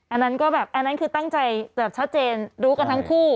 อันนั้นก็แบบอันนั้นคือตั้งใจแบบชัดเจนรู้กันทั้งคู่